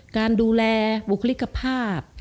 การดูแลบุคลิกภาพ